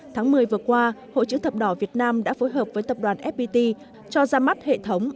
tháng một mươi vừa qua hội chữ thập đỏ việt nam đã phối hợp với tập đoàn fpt cho ra mắt hệ thống